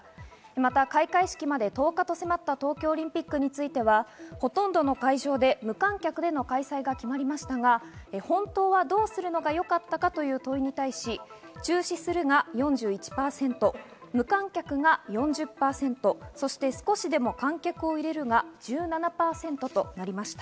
また開会式まで１０日と迫った東京オリンピックについては、ほとんどの会場で無観客での開催が決まりましたが、本当はどうするのがよかったかという問いに対し、中止するが４１％、無観客が４０％、少しでも観客を入れるが１７％となりました。